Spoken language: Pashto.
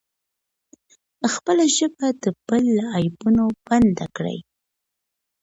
خپله ژبه د بل له عیبونو بنده کړئ.